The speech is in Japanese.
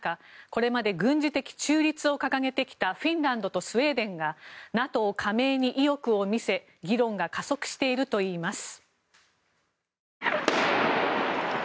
これまで軍事的中立を掲げてきたフィンランドとスウェーデンがＮＡＴＯ加盟に意欲を見せ議論が加速しているといいます。